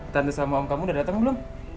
tanda sama om kamu udah dateng belum